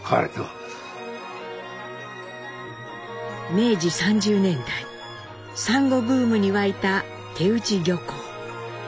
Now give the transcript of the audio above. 明治３０年代サンゴブームに沸いた手打漁港。